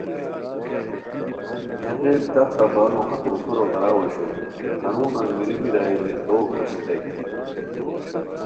ہیغین تختہ بانو ہتو سورو غیر اؤ اوشوئے ہنون انگیرو بیرائے رے دوڑ ہوسیتائے